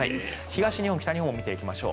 東日本、北日本も見ていきます。